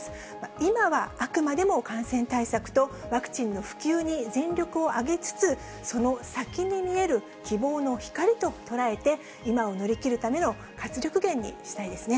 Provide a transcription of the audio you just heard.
今はあくまでも感染対策とワクチンの普及に全力を挙げつつ、その先に見える希望の光と捉えて、今を乗り切るための活力源にしたいですね。